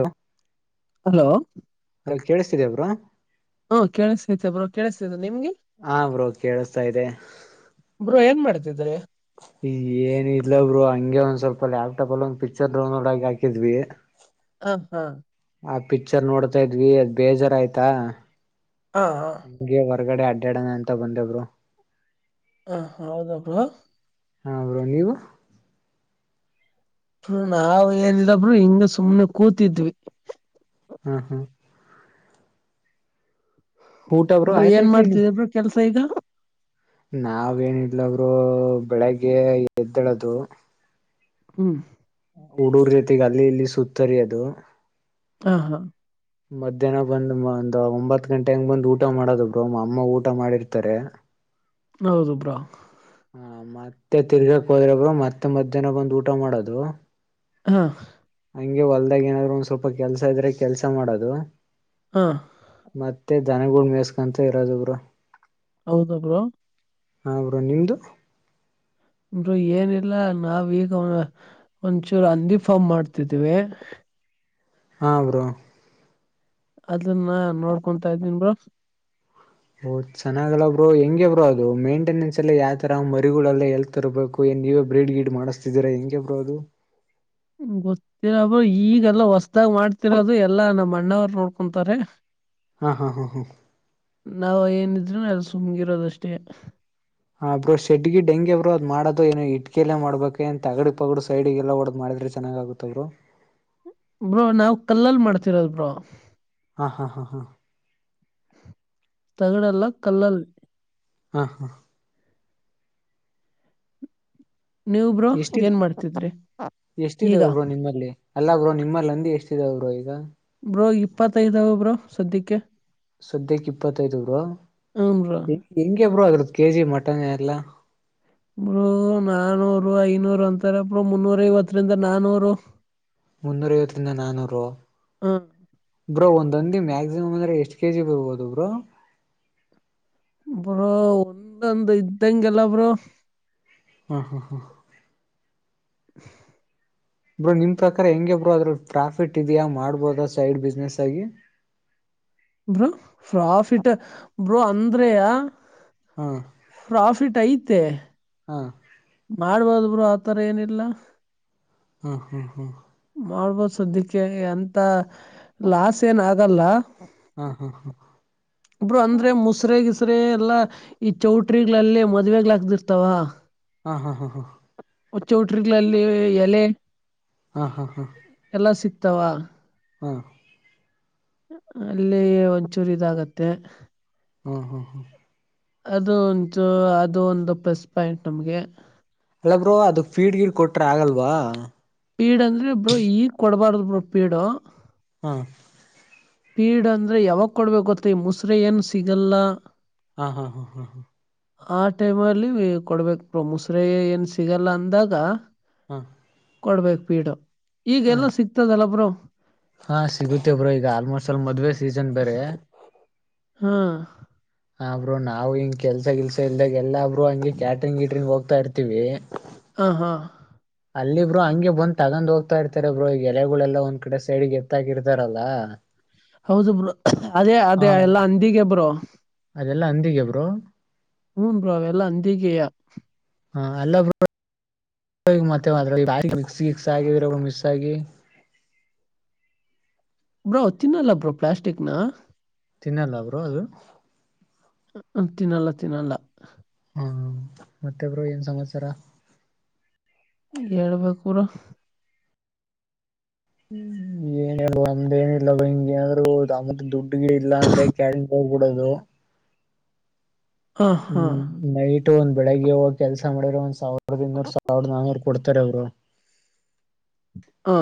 Hello hello ಕೇಳಿಸ್ತಿದೆಯಾ bro ಹಾ ಕೆೇಳಸ್ತೈತೆ ಬ್ರೋ ಕೇಳಸ ನಿಮಗೆ ಹಾ ಬ್ರೋ ಕೇಳಿಸ್ತಾ ಇದೆ ಬ್ರೋ ಏನ್ ಮಾ [unintelligible] [inaudible] ಈ ಏನ್ ಇಲ್ಲಬ್ರು ಹಂಗೆ ಒಂದ್ ಸ್ವಲ್ಪ ಲ್ಯಾಪ್ಟಾಪ್ ಅಲ್ಲಿ ಒಂದ್ ಪಿಕ್ಚರ್ ಡೌನ್ಲೋಡ್ ಆಗಿ ಹಾಕಿದ್ವಿ ಹ ಹಾ ಆ ಪಿಕ್ಚರ್ ನೋಡ್ತಾ ಇದ್ವಿ ಅದ್ ಬೇಜಾರು ಆಯ್ತಾ ಹಾ ಹಾ ಹೊರಗಡೆ ಅಡ್ಡ್ಯಾಡನ ಅಂತ ಬಂದೆ ಬ್ರೊ ಹಾ ಹೌದ ಬ್ರೋ ಹಾ ಬ್ರೊ ನೀವು ನಾವ್ ಏನಿಲ್ಲ ಬ್ರೊ ಹಿಂಗ ಸುಮ್ನೆ ಕೂತಿದ್ವಿ ಹ್ಮ್ ಹ್ಮ್ ಊಟ ಬ್ರೋ ಬ್ರ ಆಯ್ತಾ ಏನ್ ಇಲ್ಲ ಇನ್ನು ಮಾಡ್ತಿದಿಯ ಬ್ರೊ ಕೆಲ್ಸ ಈಗ ನಾವೇನಿಲ್ಲ ಗುರು ಬೆಳಿಗ್ಗೆ ಎದ್ದಳದು ಹ್ಮ್ ಹುಡ್ಗುರ್ ರೀತಿಗೆ ಅಲ್ಲಿ ಇಲ್ಲಿ ಸುತ್ತರಿಯದು ಹಾ ಹಾ ಮಧ್ಯಾಹ್ನ ಬಂದ್ ಒಂದ ಒಂಬತ್ ಗಂಟೆ ಹಂಗ್ ಬಂದ್ ಊಟ ಮಾಡೋದಬ್ರು ಮಾ ಅಮ್ಮ ಊಟ ಮಾಡಿರ್ತಾರೆ ಹೌದುಬ್ರಾ ಹ ಮತ್ತೆ ತಿರ್ಗಾಕ್ ಹೋದ್ರಬ್ರು ಮತ್ತೆ ಮಧ್ಯಾಹ್ನ ಬಂದ್ ಊಟ ಮಾಡೋದು ಹಾ ಹಂಗೆ ಹೊಲ್ದಾಗ ಏನಾದ್ರು ಒಂದ್ ಸ್ವಲ್ಪ ಕೆಲ್ಸ ಇದ್ರೆ ಕೆಲ್ಸ ಮಾಡೋದು ಹಾ ಮತ್ತೆ ಜನಗೂಡ್ ಮೇಸ್ಕೊಂತ ಇರೋದಬ್ರು ಹೌದ ಬ್ರೋ ಹಾ ಇ್ರ ನಿಮ್ದು ಅರು ಏನಿಲ್ಲ ನಾವೀಗ ಒಂಚೂರು ಅಂದಿ ಫಾರ್ಮ್ ಮಾಡ್ತಿದೀವಿ ಹಾ ಬ್ರೋ ಅದನ್ನ ನೋಡ್ಕೊತಾ ಇದೀನ್ ಬ ಓ್ ಚೆನ್ನಾಗಲ್ಲಬ್ರು ಹೆಂಗ ಬರು ಅದು ಮೇಂಟೆನೆನ್ಸ್ ಎಲ್ಲ ಯಾವ ತರ ಮರಿಗಳೆಲ್ಲ ಎಲ್ ತರಬೇಕು ನೀವೇ ಬ್ರೀಡ್ ಗೀಡ್ ಮಾಡಿಸ್ತಿದ್ದೀರಾ ಹೆಂಗೆ ಬರೋದು [unintelligible] ಗೊತ್ತಿರಬ ಈಗಲ್ಲಾ ಹೊಸ್ದಾಗ್ ಮಾಡ್ತಿರೋದು ಎಲ್ಲಾ ನಮ್ಮ್ ಅಣ್ಣವರು ನೋಡ್ಕೊಂತಾರೆ ಹಾ ಹಾ ಹಾ ಹಾ ನಾವ ಏನಿದ್ರೆ ಅಲ್ಲಿ ಸುಮ್ಗಿರೋದಷ್ಟೇ ಹಬ್್ರರು ಶೆಡ್ಗಿ ಡಂಗೆ ಬಬ್ರು ಅದ್ ಮಾಡದು ಏನು ಇಟ್ಕಿಯಲ್ಲ ಮಾಡ್ಬೇಕ ಏನ್ ತಗಡಿ ಪಗಡು ಸೈಡ್ಿಗೆ ಎಲ್ಲಾ ಒಡ್ದ್ ಮಾಡ ್ರೆ ಚೆನ್ನಾಗ ಆಗುತ್ತವ್ರು ಬ್ರೋ ನಾವ್ ಕಲ್ಲಲ್ ಮಾಡ್ತಿರೋದ ಬ್ರೋ ಹಾ ಹಾ ಹಾ ಹಾ ತಗಡೆಲ್ಲ ಕಲ್ಲಲ್ಲಿ ಹಾ ಹಾ ನೀವ್ ಬ್ರೋ ಎಷ್ಟ ಏನ್ ಮಾಡ್ತಿದ್ರಿ ಎಷ್ಟಾವ ಈಗ ಒಬ್ಬ್ರರು ನಿಮ್ಮಲ್ಲಿ ಅಲ್ಲ ಬ್ರೋ ನಿಮ್ಮಲ್ಲಿ ಅಂದ ಎಷ್ಟಿದ್ರೋ ಈಗ ಬ್ರೋ ಇಪ್ಪತ್ತೈದಾವ ಬ್ರೊ ಸದ್ಯಕ್ಕೆ ಸದ್ಯಕ್ಕೆ ಇಪ್ಪತ್ತೈದುರು ಹ್ಮ್ ಬ್ರೋ ಹೆಂಗಗೆಬ್ರು ಆಗರತ್ತ ಕೆ ಜಿ ಮಟನ್ ಎಲ್ಲ ಬ್ರರು ನಾನೂರು ಐನೂರು ಅಂತಾರ ಅಬ್್ರರು ಮುನ್ನೂರ ಐವತ್ತರಿಂದ ನಾನೂರು ಮುನ್ನೂರು ಇಐವತ್ತಂದ ನಾನೂರು ಹ್ಮ್ ಬ್ರೋ ಒಂದ್ಂದಿ ಮ್ಯಾಕ್ಸಿಮಮ್ ಅಂದ್ರೆ ಎಷ್ಟ ಕೆಜಿ ಬರ್ಬೋದು ಬ್ರೋ ಬ್ರೋ ಒಂದೊಂದು ಇದ್ದಂಗೆಲ್ಲ ಬ್ರೋ ಹಾ ಹಾ ಹಾ [unintelligible] ಬ್ರೋ ನಿಮ್ ಪ್ರಕಾರ ಹೆಂಗಗೆ ಬ್ರೋ ಅದ್ರಲ್ಲಿ ಪ್ರಾಫಿಟ್ ಇದ್ಯಾ ಮಾಡ್ಬೋದ ಸೈಡ್ ಬಿಸ್ನೆಸ್ ಆಗಿ ಬ್ರೂ ಪ್ರಾಫಿಟ್ ಬ್ರೋ ಅಂದ್ರ ಹಾ ಪ್ರಾಫಿಟ್ ಐತೆ ಹಾ ಮಾಡಬಹುದುಬ್ರೋ ಆತರ ಏನಿಲ್ಲ ಹ್ಮ ಹ್ಮ ಹ್ಮ ಸದ್ಯಕೆ ಅಂತ ಲಾಸ್ ಏನ ಆಗಲ್ಲ ಹಾ ಹಾ ಹಾ ಇಬ್ರು ಅಂದ್ರೆ ಮುಸ್ರಗಿಸ್ರ ಎಲ್ಲಾ ಈ ಚೌಟ್ರಿಗಳಲ್ಲೇ ಮದುವೆಗ್ಗಳಾಗದಿರ್ತಾವ ಹಾ ಹಾ ಹಾ ಹಾ ಚೌಟ್ರಿಗಳಲ್ಲಿ ಎಲೆ ಹಾ ಹಾ ಹಾ ತವಾ ಹಾ ಅಲ್ಲಿ ಒಂಚೂರು ಇದಾಗತ್ತೆ ಹಾಂ ಹಾಂ ಹಾ ಅದು ಒಂಚು ಅದು ಒಂದು ಪ್ಲಸ್ ಪಾಯಿಂಟ್ ನಮ್ಗೆ ಅಲ್ಲ ಬ್ರೋ ಅದು ಫೀಡ್ ಗೀಡ್ ಕೊಟ್ರೆ ಆಗಲ್ವಾ ಪೀಡ್ ಅಂದ್ರೆ ಬ್ರೋ ಈಗ್ ಕೊಡ್ಬಾರ್ದ ಬ್ರೋ ಪೀಡು ಹಾ ಪೀಡ್ ಅಂದ್ರೆ ಯಾವಾಗ ಕೊಡ್ಬೇಕ ಗೊತ್ತೆ ಈ ಮುಸ್ರೆಯನ್ ಸಿಗಲ್ಲ ಹಾ ಹಾ ಹಾ ಹಾ ಹಾ ಆ ಟೈಮಲ್ಲಿ ಕೊಡಬೇಕು ಬ್ರೋ ಮುಸರೆ ಏನ್ ಸಿಗಲ್ಲ ಅಂದಾಗ ಹಾ ಕೊಡ್ಬೇಕೇಕ್ ಪೀಡು ಈಗ ಹಾ ಎಲ್ಲ ಸಿಕ್ತದಲ್ಲ ಬ್ರೋ ಹಾ ಸಿಗುತ್ತೇ ಬ್ರೋ ಈಗ ಆಲ್ಮೋಸ್ಟ್ ಅಲ್ ಮದ್ವೆ ಸೀಸನ್ ಬೇರೆ ಹಾ ಹಾ ಬ್ರೋ ನಾವು ಹಿಂಗ ಕೆಲ್ಸ ಕೆಲ್ಸ ಇಲ್ದಾಗ ಎಲ್ಲಾ ಬ್ರೋ ಹಗೆ ಕ್ಯಾಟ್ರಿಂಗ್ ಗಿಟ್ರಿಂಗ್ ಹೋಗ್ತಾ ಇರ್ತಿವಿ ಹಾ ಹಾ ಅಲ್ಲಿ ಬ್ರೋ ಹಂಗೆ ಬಂದ್ ತಗೊಂಡ್ ಹೋಗ್ತಾ ಇರ್ತಾರೆ ಬ್ರೋ ಈ ಎಲೆಗಳೆಲ್ಲ ಒಂದ್ ಕಡೆ ಸೈಡ್ ಎತ್ತಕಿರ್ತಾರಲ್ಲ ಹೌದು ಬ್ರೋ ಅದೇ ಅದೇ ಎಲ್ಲಾ ಹಂದಿಗೆ ಬ್ರೋ ಎಲ್ಲಾ ಹಂದಿಗೆ ಬ್ರೋ ಹು ಬ್ರೋ ಅವೆಲ್ಲ ಹಂದಿಗೆಯಾ ಹಾ ಎಲ್ಲ ಮತ್ತೆ ಮಿಕ್ ಗಿಕ್ ಆಗಿದ್ರೆ ಬ್ರೋ ಮಿಸ್ ಆಗಿ ಬ್ರೋ ತಿನ್ನಲ್ಲ ಬ್ರೋ ಪ್ಲಾಸ್ಟಿಕ್ನಾ ತಿನ್ನಲ್ಲ ಬ್ರೋ ಅದು ತಿನ್ನಲ್ಲ ತಿನ್ನಲ್ಲ ಹಾ ಮತ್ತೆ ಬ್ರೋ ಏನ್ ಸಮಾಚಾರ ಹೇಳಬೇಕು ಬ್ರೋ ಏ ನಮ್ದು ಏನಿಲ್ಲ ಬ್ರೋ ಹಿಂಗೇ ಏನಾರ ದುಡ್ಗೆ ಇಲ್ಲ ಅಂದ್ರೆ ಕ್ಯಾಳನ್ ಹಾ ಹಾ ಹ್ಮ್ ನೈಟ್ ಒಂದ್ ಬೆಳಿಗ್ಗೆ ಹೋಗಿ ಕೆಲ್ಸ ಮಾಡಿದ್ರೆ ಒಂದ್ ಸಾವಿರ ಸಾವಿರದ ಇನ್ನೂರು ಸಾವಿರ ನನ್ನೂರು ಕೊಡ್ತಾರೆ ಬ್ರೋ ಹಾ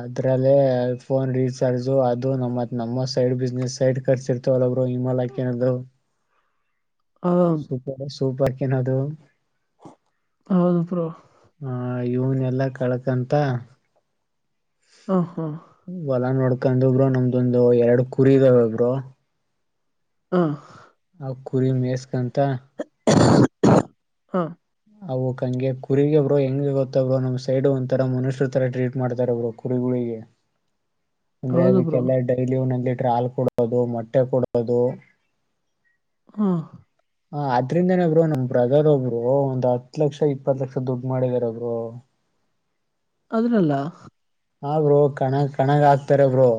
ಅದ್ರಲ್ಲೇ ಫೋನ್ ರೀಚಾರ್ಜು ಅದು ನಮ್ಮತ್ ನಮ್ಮ ಸೈಡ್ ಬಿಸ್ನೆಸ್ ಸೈಡ್ ಖರ್ಚು ಇರ್ತವಲ್ಲ ಬ್ರೋ [unintelligible] ಹೌದ್- ಸೂಪರ್ ಸೂಪರ್ ಕೆನ್ನದು ಹೌದು ಬ್ರೋ ಇವನ್ ಎಲ್ಲ ಕಳ್ಕಂತ ಹಾ ಹಾ ಹೊಲ ನೋಡ್ ಕೊಂಡು ಬ್ರೋ ನಮ್ದೊಂದು ಎರಡು ಕುರಿ ಇದಾವೇ ಬ್ರೋ ಹ ಆ ಕುರಿ ಮೇಸ್ಕಂತ [unintelligible] ಹಾ. ಅವಕ್ಕ ಹಂಗೆ ಕುರಿಗೆ ಬ್ರೋ ಹೆಂಗೆ ಗೊತ್ತಾ ಬ್ರೋ ನಮ್ ಸೈಡ್ ಒಂಥರ ಮನುಷ್ಯರ ತರ ಟ್ರೀಟ್ ಮಾಡ್ತಾರ ಬ್ರೋ ಕುರಿಗಳಿಗೆ [inaudible] ಅಂದ್ರೆ ಹೌದು ಬ್ರೋ ಅದಕ್ಕೆಲ್ಲಾ ಡೈಲಿ ಒಂದ ಹಾಲ್ ಕೊಡೋದು ಮೊಟ್ಟೆ ಕೊಡೋದು - ಹಾ. ಹ ಆದದ್ರಿಂದನೇ ಬ್ರೋ ನಮ್ ಬ್ರದರ್ ಒಬ್ರು ಹತ್ತು ಲಕ್ಷ ಇಪ್ಪತ್ ಲಕ್ಷ ದುಡ್ಡ ಮಾಡಿದಾರ ಬ್ರೋ. ಅದರೆಲ್ಲಾ. ಹಾ ಬ್ರೋ ಕಣ ಕಣಗ ಹಾಕ್ತಾರ ಬ್ರೋ.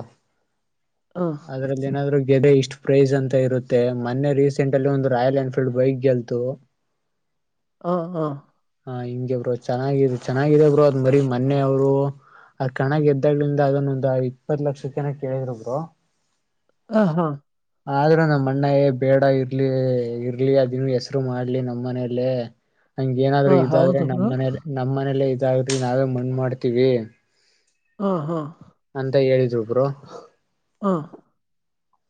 ಹಾ ಆದರದ ಏನಾದ್ರು ಗೆದೆ ಇಷ್ಟ್ ಪ್ರೈಸ್ ಅಂತ ಇರುತ್ತೆ ಮೊನ್ನೆ ರೀಸೆಂಟ್ ಅಲ್ಲಿ ಒಂದು ರಾಯಲ್ ಎನ್ಫೀಲ್ಡ್ ಬೈಕ್ ಗೆಲ್ತು ಹಾ ಹಾ. ಹ ಹಿಂಗೆ ಬ್ರೋ ಚೆನ್ನಾಗಿದೆ ಚೆನ್ನಾಗಿದೆ ಬ್ರೋ ಅದ್ ಬರಿ ಮೊನ್ನೆಯವರು ಆ ಕಣ ಗೆದ್ದಾಗಿಂದ ಅದನ್ನೊಂದು ಇಪ್ಪತ್ ಲಕ್ಷಕ್ಕ ಏನ ಕೇಳಿದ್ರು ಬ್ರೋ. ಹ ಹಾ. ಆದ್ರೆ ನಮ್ಮ ಅಣ್ಣ ಏ ಬೇಡ ಇರ್ಲಿ ಇರ್ಲಿ ಅದನ್ನು ಹೆಸರು ಮಾಡ್ಲಿ ನಮ್ಮ ಮನೆಯಲ್ಲೇ ಹಂಗ ಏನಾದ್ರು ಹಾ ಇದಾದ್ರೆ ಹೌದು ನಮ್ಮ್ ಬ್ರೋ ಮನೇಲಿ ನಮ್ಮನಲ್ಲೇ ಇದಾದ್ರೆ ನಾವೇ ಮಣ್ಣ ಮಾಡ್ತೀವಿ. ಹಾ ಹಾ. ಅಂತ ಹೇಳಿದ್ರು ಬ್ರೋ. ಹಾ.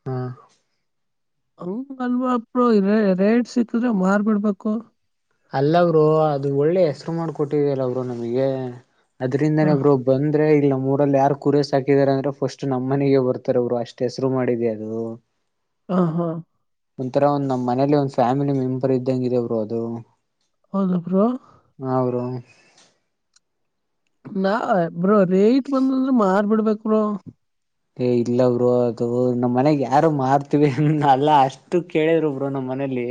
ಹಾ ಹಂಗ ಅಲ್ವಾಪ್ ರೇಟ್ ಸಿಕ್ಕಿದ್ರೆ ಮಾರಿಬಿಡ್ಬೇಕು. ಅಲ್ಲ ಬ್ರೋ ಅದು ಒಳ್ಳೆ ಹೆಸರು ಮಾಡಕೊಟ್ಟಿದಲ್ಲ ಬ್ರೋ ನಮಗೆ - ಹಾ ಅದ್ರಿಂದನೆ ಬ್ರೋ ಬಂದ್ರೆ ಇಲ್ಲ ನಮ್ಗೆ - ನಮ್ಮೂರಲ್ಲಿ ಯಾರು ಕುರಿ ಸಾಕಿದ್ದಾರೆ ಅಂದ್ರೆ ಫಸ್ಟ ನಮ್ಮ ಮನೆಗೆ ಬರ್ತಾರ ಅವರು ಅಷ್ಟ ಹೆಸರು ಮಾಡಿದೆ ಅದು ಹಾ ಹಾ ಒಂಥರ ಒಂದ್ ನಮ್ಮ ಮನೇಲಿ ಒಂದ್ ಫ್ಯಾಮಿಲಿ ಮೆಂಬರ್ ಇದ್ದಂಗಿದೆ ಬ್ರೋ ಅದು. ಹೌದಾ ಬ್ರೋ. ಹಾ ಬ್ರೋ ನಾ ಬ್ರೋ ರೇಟ್ ಬಂದಂದ್ರೆ ಮಾರಿಬಿಡ್ಬೇಕ್ ಬ್ರೋ. ಏ ಇಲ್ಲ ಬ್ರೋ ಅದು ನಮ್ಮ್ ಮನೆಗ್ ಯಾರು ಮಾರ್ತೀವಿ ಅಲ್ಲ ಅಷ್ಟು ಕೇಳಿದ್ರು ಬ್ರೋ ನಮ್ಮ್. ಮನೇಲಿ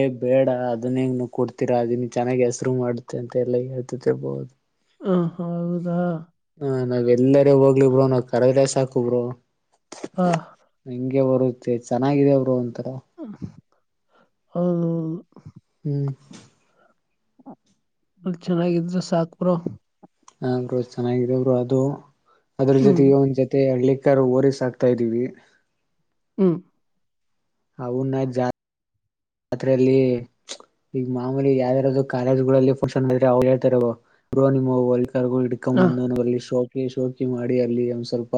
ಏ ಬೇಡ ಅದನ್ನ ಏನ್ ಕೊಡ್ತೀರಾ ಅದನ್ ಚೆನ್ನಾಗಿ ಹೆಸರು ಮಾಡುತ್ತೆ ಅಂತ ಎಲ್ಲ ಹೇಳ್ತ [unintelligible] ಹ ಹೌದಾ. ಹ ನಾವ್ ಎಲ್ಲರ ಹೋಗ್ಲಿ ಬ್ರೋ ನಾವ್ ಕರದ್ರೆ ಸಾಕು ಬ್ರೋ. ಹಾ. ಹಂಗೆ ಬರುತ್ತೆ ಚೆನ್ನಾಗಿದೆ ಬ್ರೋ. ಒಂತರ ಹಾ ಹೌದು. ಹ್ಮ್. ಅವ್ರು ಚೆನ್ನಾಗಿದ್ರ ಸಾಕ ಬ್ರೋ. ಹ ಬ್ರೋ ಚೆನ್ನಾಗಿದ್ರ ಬ್ರೋ ಅದು ಅದ್ರ ಹ್ಮ್ ಜೊತೆಗೆ ಒಂದ ಜೊತೆ ಹಳ್ಳಿ ಮತ್ತ್ಯಾಡ್ ಹೋರಿ ಸಾಕ್ತಾ ಇದೀವಿ. ಹ್ಮ. ಅವುನಾ ಜಾ ತ್ರೇಲಿ ಈಗ ಮಾಮೂಲಿ ಯಾವ್ದ್ಯಾರ್ದು ಕಾಲೇಜ್ಗಳಲ್ಲಿ ಫಂಕ್ಷನ್ ಅವ್ ಹೇಳತಾರ ಬ್ರೋ ಬ್ರೋ ನಿಮ್ಮವ ಇಡ್ಕೊಂಡ ಹ ಬಂದಲ್ಲಿ ಶೋಕಿ ಶೋಕಿ ಮಾಡಿ ಅಲ್ಲಿ ಒಂದ್ ಸ್ವಲ್ಪ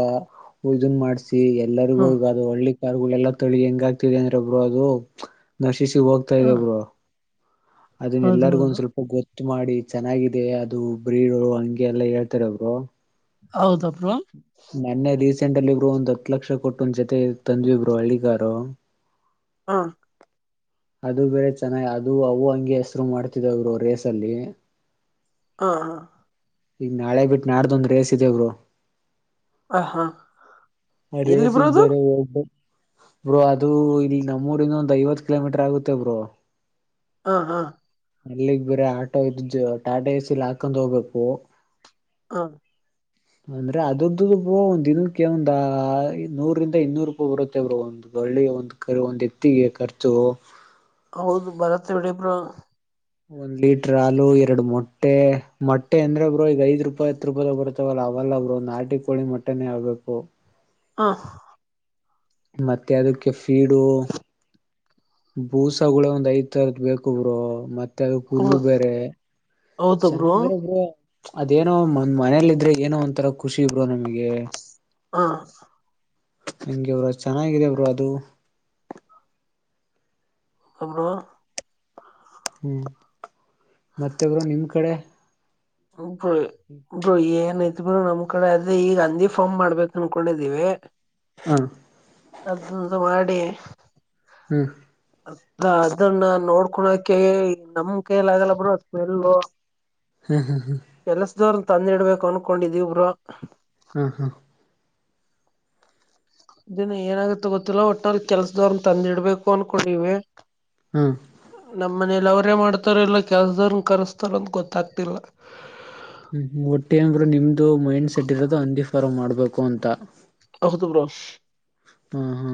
ಇದನ್ ಮಾಡ್ಸಿ ಎಲ್ಲರಿಗೂ ಹ ಈಗ ಅದು ಹಳ್ಳಿಕಾರಗಳೆಲ್ಲಾ ತಳಿ ಹೆಂಗ ಆಯ್ತದೆ ಅಂದ್ರೆ ಬ್ರೋ ಅದು - ಹೆಚ್ಚಿಗೆ ಹೋಗ್ತಾ ಇದೆ ಹ ಬ್ರೋ ಅದು - ಅದನ್ನ ಎಲ್ಲರಿಗು ಒಂದ್ ಹೌದೌದು ಸ್ವಲ್ಪ ಗೊತ್ತ- ಮಾಡಿ ಚೆನ್ನಾಗಿದೆ ಅದು ಬ್ರೀಡು ಹಂಗೆ ಎಲ್ಲ ಹೇಳ್ತಾರ ಬ್ರೋ ಹೌದಾ ಬ್ರೋ ನನ್ನೆ ರೀಸೆಂಟ್ ಅಲ್ಲಿ ಬ್ರೋ ಒಂದ್ ಹತ್ ಲಕ್ಷ ಕೊಟ್ಟ ಒಂದ್ ಜೊತೆ ಇದು ತಂದ್ವಿ ಬ್ರೋ ಹಳ್ಳಿಗಾರ ಹಾ ಅದು ಬೇರೆ ಚೆನ್ನಾಗಿ ಅದು ಅವು ಹಂಗೆ ಹೆಸರು ಮಾಡ್ತಿದವೇ ಬ್ರೋ ರೇಸಲ್ಲಿ ಹಾ ಹಾ ಈಗ ನಾಳೆ ಬಿಟ್ಟು ನಾಡ್ದೊಂದ್ ರೇಸ್ ಇದೆ ಬ್ರೋ ಹ ಹಾ ಆ ರೇಸಿಗ್ ಬೇರೆ ಬ್ರೋ ಅದು ಇಲ್ಲಿ ನಮ್ಮೂರಿಂದ ಒಂದ್ ಐವತ್ ಕಿಲೋಮೀಟರ್ ಆಗುತ್ತೆ ಬ್ರೋ ಹಾ ಹಾ ಅಲ್ಲಿಗ್ ಬೇರೆ ಆಟೋ ಇದ ಟಾಟಾ ಎಸಲಿ ಹಾಕೊಂದು ಹೋಗ್ಬೇಕು ಬ್ರೋ ಹಾ ಅಂದ್ರೆ ಅದಂದ್ದು ಒಂದ್ ದಿನಕ್ಕೆ ಒಂದ ನೂರಿಂದ ಇನ್ನೂರು ರೂಪಾಯ ಬರುತ್ತೆ ಬ್ರೋ ಒಂದು ಒಳ್ಳೆಯ ಒಂದು ಕ ಒಂದು ಎತ್ತಿಗೆ ಖರ್ಚು ಹೌದು ಭರತ್ಡಿಯಪರ ಒಂದ್ ಲೀಟ್ರರ್ ಹಾಲು ಎರಡು ಮೊಟ್ಟೆ ಮೊಟ್ಟೆ ಅಂದ್ರೆ ಬ್ರೋ ಈಗ ಐದ್ ರೂಪಾಯಿ ಹತ್ತು ರೂಪಾಯಿದಾಗ ಬರ್ತವಲ್ಲ ಅವಲ್ಲ ಅವರು ನಾಟಿ ಕೋಳಿ ಮಟ್ಟನೇ ಆಗ್ಬೇಕು ಹಾ ಮತ್ತೆ ಅದಕ್ಕೆ ಫೀಡು ಬೂಸುಳ ಒಂದ್ ಐದ್ ತರದ ಬೇಕರು ಮತ್ತೆ ಮ ಪುಲ್ಲು ಹೌದು ಬೇರೆ ಹೌದಾ ಬ್ರೋ ಚನ್ನಂದ್ರೆ [unintelligible] ಅದೇನೋ ಮನೇಲಿ ಇದ್ರೆ ಏನೋ ಒಂತರ ಖುಷಿ ಇಬ್ರು ನಮಗೆ ಹ ಹಂಗೆವರು ಚೆನ್ನಾಗಿದೆವರು ಅದು ಅಬ ಹ್ಮ್ ಮತ್ತೆಬ್ರು ನಿಮ್ ಕಡೆ ಬೋ ಬ್ರಯಏನ ಇರು ನಮ್ ಕಡೆ ಅದೆ ಈಗ ಅಂದಿ ಫಾರ್ಮ್ ಮಾಡ್ಬೇಕು ಅನ್ಕೊಂಡಿದಿವವಿ ಹಾ ಅದುಂದು ಮಾಡಡೇ ಹ್ಮ ಅ ಅದನ್ನ ನೋಡ್ಕೊಳಕ ನಮ್ ಕೈಯಲ ಆಗಲ್ಲ ಬ್ರೋ ಸ್ಮೆಲ್ಲ ಹ್ಮ್ ಹ್ಮ್ ಹ್ಮ ಇದೋರನ್ನ ತಂದಿ ಇಡ್ಬೇಕು ಅನ್ಕೊಂಡಿದವಿಬ್ರು ಹಾ ಹಾ ದಿನ ಏನಾಗುತ್ತ ಗೊತ್ತಿಲ್ಲಾ ಒಟ್ಟನಲ್ಲಿ ಕೆಲ್ಸದವ್ರನ್ನ ತಂದಿಡ್ಬೇಕು ಅನ್ಕೊಡವಿ ಹಾ ಮನೇಲಿ ಅವ್ರೇ ಮಾಡ್ತಾರ ಎಲ್ಲ ಕೆಲ್ಸದವ್ರನ್ ಕರೆಸ್ತಾರ ಅಂತ ಗೊತ್ತಾಗ್ತಿಲ್ಲ ಹ್ಮ್ ಒಟ್ಟ ಏನ್ ಬ್ರೋ ಕಂತ ಅಹುತುಪ ರ ಹ ಹಾ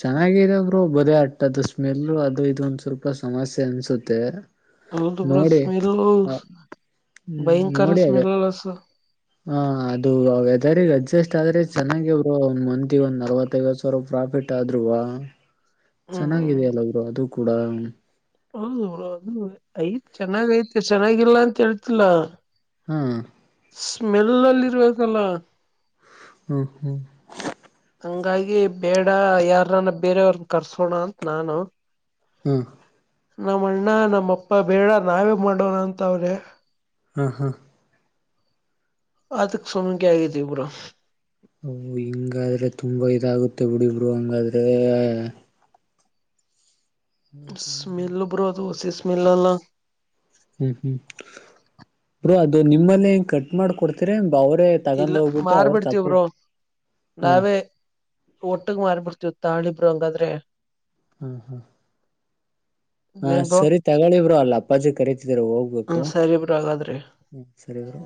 ಚೆನ್ನಾಗ ಇದಾದ್ರು ಬದೆ ಅಟ್ಟದ ಸ್ಮೆಲ್ ಅದು ಇದೊಂದ ಸ್ವಲ್ಪ ಸಮಸ್ಯೆ ಅನ್ಸುತ್ತೆ ಹೌದು ಬ್ರೋ ನೋಡಿ ಸ್ಮೆಲ್ಲು ಆ ಹ್ಮ್ ಭಯಂಕರ ನೋಡಿ ಅಗ ಸ್ಮೆಲ್ ಅಲ್ಲ ಸರ್ ಹ ಅದು ವೆದರಿ ಅಡ್ಜಸ್ಟ್ ಆದ್ರೆ ಚೆನ್ನಾಗಿಬ್ರು ಒಂದ ಮಂದಿಗ್ ಒಂದ ನಲ್ವತ್ತೈಐವತ್ತು ಸಾವಿರ ಕಾಫೆಟ್ ಆದ್ರುರುವ ಹ್ಮ್ ಚೆನ್ನಾಗಿದೆಯಲ್ಲ ಅವರು ಅದು ಕೂಡ ಹೌದು ಅ್ ಐತ್ ಚೆನ್ನಾಗ ಐತೆ ಚೆನ್ನಾಗಿಲ್ಲ ಅಂತ ಹೇಳ್ತಿಲ್ಲಾ ಹಾ ಸ್ಮೆಲ್ ಅಲ್ಲಿ ಇರ್ಬೇಕಲ್ಲ ಹ್ಮ್ ಹ್ಮ್ ಹಂಗಾಗಿ ಬೇಡ ಯಾರನ್ನ ಬೇರೆಯವ್ರಗ್ ಕರ್ಸೋಣ ಅಂತ ನಾನು ಹ್ಮ ನಮ್ಮ ಅಣ್ಣ ನಮ್ಮ ಅಪ್ಪ ಬೇಡ ನಾವೇ ಮಾಡೋಣ ಅಂತ ಅವ್ರೆ ಹಾ ಹಾ ಆತ ಸವಮಿ ಕ ಆಗತಿೀ ಪೂರ ಹಿಂಗಾದ್ರೆ ತುಂಬಾ ಇದಾಗುತ್ತೆ ಬಿುಡಿಬ್ರು ಹಂಗಾದ್ರೆ ಸ್ಮೆಲ್ ಬರೋ ದೋಸಿ ಸ್ಮೆಲ್ ಎಲ್ಲ ಹ್ಮ್ ಹ್ಮ್ ಬ್ರೋ ಅದು ನಿಮ್ಮಲ್ಲೇ ಹೆಂಗ ಕಟ್ ಮಾಡ್ಕೊಡ್ತೀರ ಅವ್ರೇ ತಗೊಂಡ್ ಇಲ್ಲ ಹೋಗ್ಬಿಟ್ಟು ಅವ್ರ ಮಾರ್ಬಿಡ್ತೀವಿ ತಪ್ಪಿ ಬ್ರೋ ನಾವೇ ಒಟ್ಟಗ ಮಾರ್ಬಿಡ್ತೀವ ತಾಿಬ್ರು ಹಂಗಾದ್ರೆ ಹ್ಮ ಹ್ಮ್ ಹಾ ಇನ್ನೇನ್ ಬ್ರೋ ಸರಿ ತಗಳಿವ್ರು ಅಲ್ಲ ಅಪ್ಪಾಜಿ ಕರಿತಿದರು ಹೋಗ್ಬೇಕು ಹ್ಮ ಸರಿ ಬ್ರೋ ಹಾಗಾದ್ರೆ ಹ್ಮ ಸರಿ ಬರ